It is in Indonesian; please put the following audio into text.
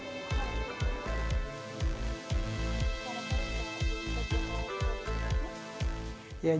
pembelian snack di bioskop